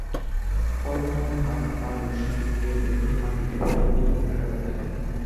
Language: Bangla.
পরে তাঁর হাত-পা রশি দিয়ে বেঁধে মাটিতে ফেলে বেদম পেটাতে থাকেন।